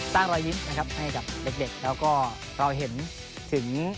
รอยยิ้มนะครับให้กับเด็กแล้วก็เราเห็นถึง